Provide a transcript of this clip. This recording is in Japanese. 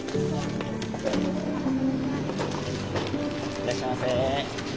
いらっしゃいませ。